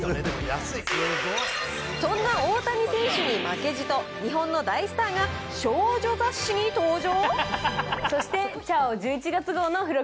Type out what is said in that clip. そんな大谷選手に負けじと、日本の大スターが少女雑誌に登場。